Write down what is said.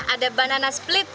ada banana split